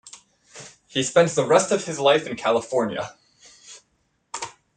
He spent the rest of his life in California.